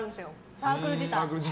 サークル自体。